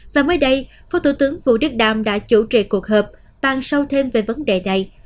và mới đây phó thủ tướng vũ đức đam đã chủ trì cuộc họp bàn sâu thêm về vấn đề này